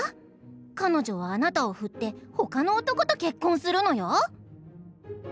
彼女はあなたをふって他の男と結婚するのよ！」。